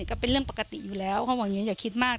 ก็เป็นเรื่องปกติอยู่แล้วเขาบอกอย่างนี้อย่าคิดมาก